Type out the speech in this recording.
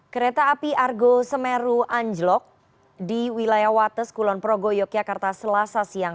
kereta api argo semeru anjlok di wilayah wates kulon progo yogyakarta selasa siang